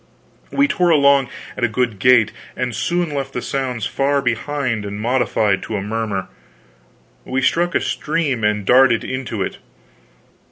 We tore along at a good gait, and soon left the sounds far behind and modified to a murmur. We struck a stream and darted into it.